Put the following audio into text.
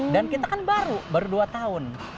dan kita kan baru baru dua tahun